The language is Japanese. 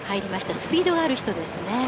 スピードがある人です。